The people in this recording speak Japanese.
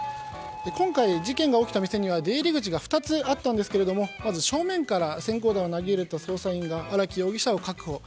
今回、事件が起きた店には出入り口が２つあったんですがまず正面から閃光弾を投げると捜査員が荒木容疑者を確保。